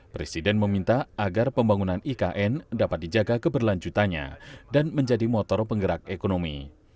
presiden meminta agar pembangunan ikn dapat dijaga keberlanjutannya dan menjadi motor penggerak ekonomi